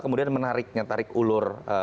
kemudian menariknya tarik ulur